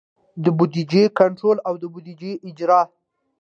د بودیجې کنټرول او د بودیجې اجرا.